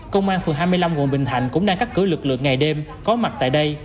công an phường hai mươi năm quận bình thạnh cũng đang cắt cử lực lượng ngày đêm có mặt tại đây